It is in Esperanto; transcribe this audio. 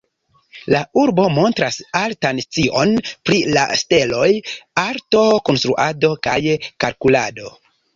La urbo montras altan scion pri la steloj, arto, konstruado kaj kalkulado.